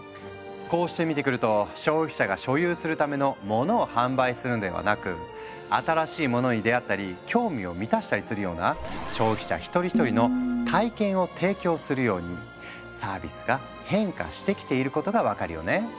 こうして見てくると消費者が所有するための「モノ」を販売するんではなく新しいものに出会ったり興味を満たしたりするような消費者一人一人の「体験」を提供するようにサービスが変化してきていることが分かるよね。